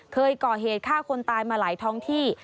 เคยก่อเหตุฆ่าคนตายมาหลายท้องที่